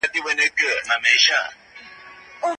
د قانون په وړاندي ټول خلګ مساوي دي.